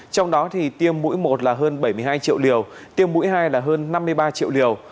trong đó thì tiêm mũi một là hơn bảy mươi hai triệu liều tiêm mũi hai là hơn năm mươi ba triệu liều